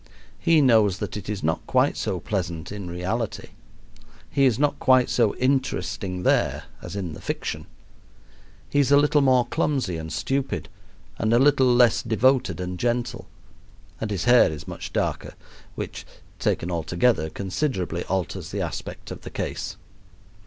He knows that it is not quite so pleasant in reality. He is not quite so interesting there as in the fiction. He is a little more clumsy and stupid and a little less devoted and gentle, and his hair is much darker, which, taken altogether, considerably alters the aspect of the case.